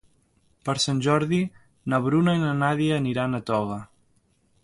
Per Sant Jordi na Bruna i na Nàdia aniran a Toga.